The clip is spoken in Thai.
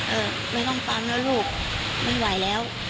เออไม่ต้องปั๊มเนอะลูกไม่ไหวแล้ว